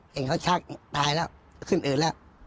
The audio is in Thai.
เห็นเขาชักตายแล้วขึ้นอืดแล้ว